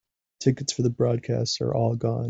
Tickets for the broadcast are all gone.